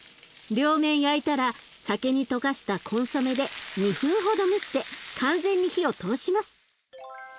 両面焼いたら酒に溶かしたコンソメで２分ほど蒸して完全に火を通します。